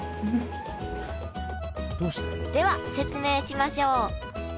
では説明しましょう。